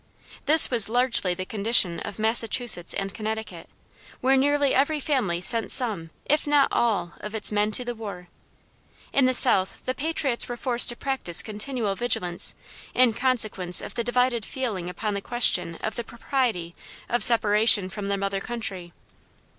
This was largely the condition of Massachusetts and Connecticut, where nearly every family sent some, if not all, of its men to the war. In the South the patriots were forced to practice continual vigilance in consequence of the divided feeling upon the question of the propriety of separation from the mother country.